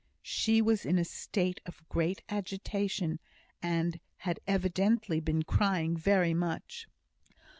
She was in a state of great agitation, and had evidently been crying very much.